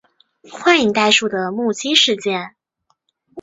幻影袋鼠的目击事件。